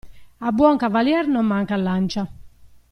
A buon cavalier non manca lancia.